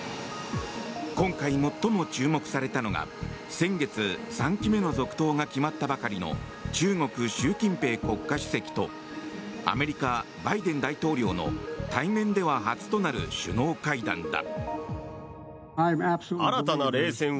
今回最も注目されたのが先月、３期目の続投が決まったばかりの中国、習近平国家主席とアメリカ、バイデン大統領の対面では初となる首脳会談だ。